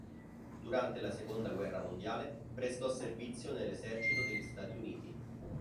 Durante la Seconda Guerra Mondiale prestò servizio nell'esercito degli Stati Uniti.